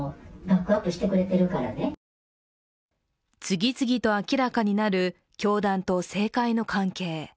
次々と明らかになる教団と政界の関係。